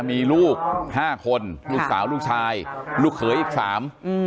มีลูกห้าคนลูกสาวลูกชายลูกเขยอีกสามอืม